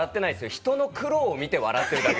ひとの苦労を見て笑ってるだけ。